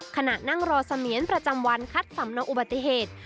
ขณะนั่งรอเสมียนประจำวันคัดสำนองอุบัติเหตุ